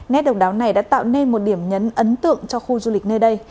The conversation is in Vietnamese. nét độc đáo này đã tạo nên một điểm nhấn ấn tượng cho khu du lịch nơi đây